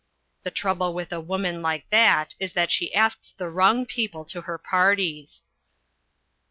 The trouble with a woman like that is that she asks the wrong people to her parties.